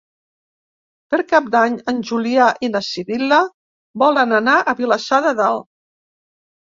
Per Cap d'Any en Julià i na Sibil·la volen anar a Vilassar de Dalt.